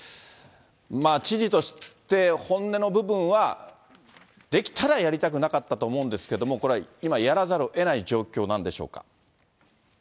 知事として、本音の部分は、できたらやりたくなかったと思うんですけれども、これは今やらざるをえない状況なんでしょうか。